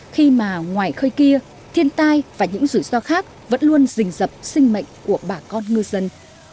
khi mà ngoài khơi kia thiên tai và những rủi ro khác vẫn luôn rình dập sinh mệnh của bà con ngư dân